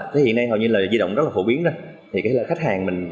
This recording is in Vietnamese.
thế hiện nay hầu như là di động rất là phổ biến ra thì cái là khách hàng mình